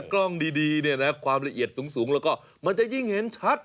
กล้องดีเนี่ยนะความละเอียดสูงแล้วก็มันจะยิ่งเห็นชัด